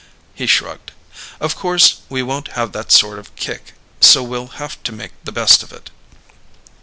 He shrugged. "Of course, we won't have that sort of luck, so we'll have to make the best of it."